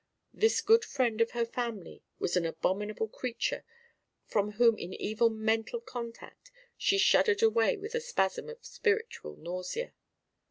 This good friend of her family was an abominable creature from whom in even mental contact she shuddered away with a spasm of spiritual nausea.